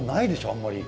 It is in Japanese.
あんまり。